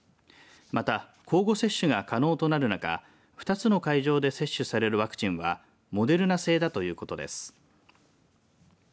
また、交互接種が可能となる中２つの会場で接種されるワクチンはモデルナ製だということです。